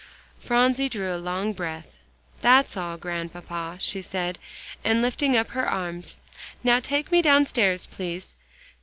Phronsie drew a long breath. "That's all, Grandpapa," she said, and lifting up her arms; "now take me downstairs, please."